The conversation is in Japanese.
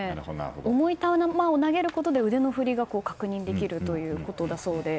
重い球を投げることで腕の振りが確認できるということだそうで。